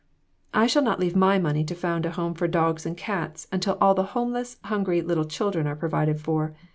" I shall not leave my money to found a home for dogs and cats until all the homeless, hungry little children are provided for.